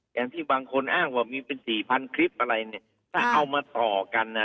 อย่างที่บางคนอ้างว่ามีเป็นสี่พันคลิปอะไรเนี่ยถ้าเอามาต่อกันอ่ะ